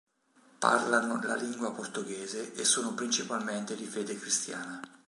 Parlano la lingua portoghese e sono principalmente di fede cristiana.